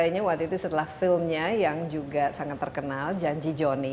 makanya waktu itu setelah filmnya yang juga sangat terkenal janji johnny